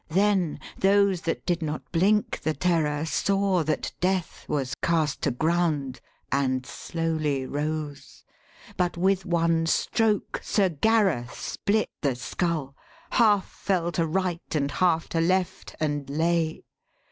Then those that did not blink the terror, saw That Death was cast to ground, and slowly rose. But with one stroke Sir Gareth split the skull. Half fell to right and half to left and lay.